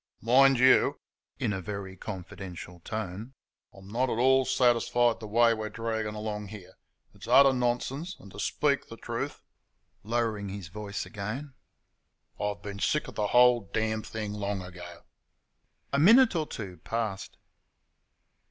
"Mind you!" (in a very confidential tone) "I'm not at all satisfied the way we're dragging along here. It's utter nonsense, and, to speak the truth" (lowering his voice again) "I'VE BEEN SICK OF THE WHOLE DAMN THING LONG AGO." A minute or two passed.